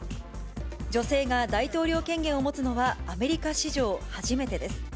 女性が大統領権限を持つのはアメリカ史上初めてです。